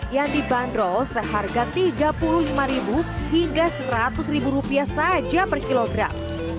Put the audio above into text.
yang dibanderol seharga rp tiga puluh lima hingga rp seratus saja per kilogram